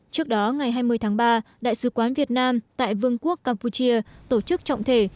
trước đó ngày hai mươi tháng ba đại sứ quán việt nam tại vương quốc campuchia tổ chức trọng thể